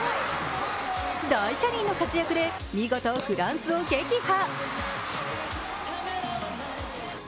大車輪の活躍で見事フランスを撃破。